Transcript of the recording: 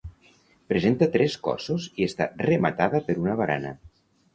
Presenta tres cossos i està rematada per una barana.